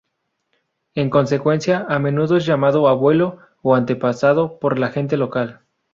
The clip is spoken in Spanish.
En consecuencia, a menudo es llamado "abuelo" o "antepasado" por la gente local.